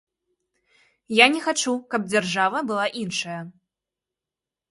Я не хачу, каб дзяржава была іншая.